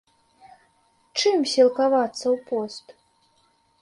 Чым сілкавацца ў пост?